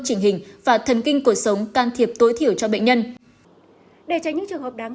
trình hình và thần kinh cuộc sống can thiệp tối thiểu cho bệnh nhân